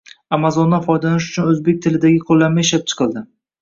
Amazon’dan foydalanish uchun o‘zbek tilidagi qo‘llanma ishlab chiqildi